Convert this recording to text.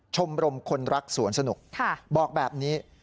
ชมรมคนรักสวนสนุกบอกแบบนี้